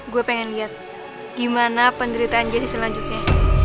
gue pengen lihat gimana penderitaan jessi selanjutnya